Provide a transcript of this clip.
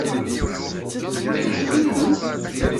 Llant ffrent.